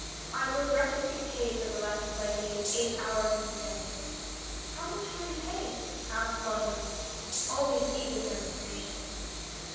I was wretchedly paid for the lessons I gave eight hours in the day." "How much were you paid?" asked Bonne Marie, always eager for information.